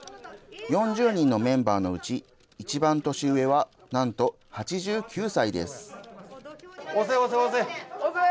４０人のメンバーのうち、一番年上はなんと８９歳です。